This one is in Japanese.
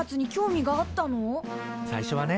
最初はね